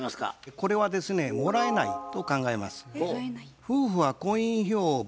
これはですねもらえないと考えます。